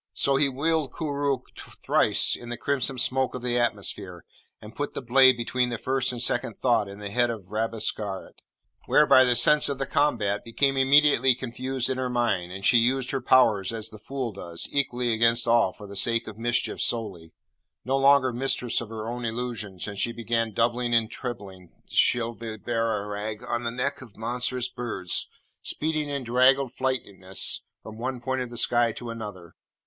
So he whirled Koorookh thrice in the crimson smoke of the atmosphere, and put the blade between the first and second thought in the head of Rabesqurat, whereby the sense of the combat became immediately confused in her mind, and she used her powers as the fool does, equally against all, for the sake of mischief solely no longer mistress of her own Illusions; and she began doubling and trebling Shibli Bagarag on the neck of monstrous birds, speeding in draggled flightiness from one point of the sky to another.